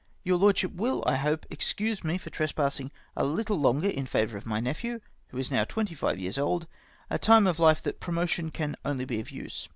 " Your Lordship will, I hope, excuse me for trespassing a little longer in favour of my nephew, who is now twenty five years old, a time of life that promotion can only be of use.